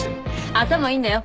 頭いいんだよ。